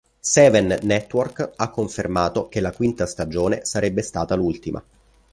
Seven Network ha confermato che la quinta stagione sarebbe stata l'ultima.